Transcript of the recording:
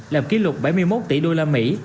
làm kỷ lục bảy mươi một tỷ đô la mỹ